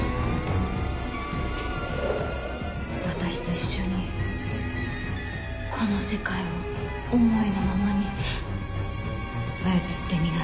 私と一緒にこの世界を思いのままに操ってみない？